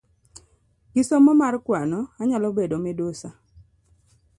Gisomo mar kwano, anyalo bedo midusa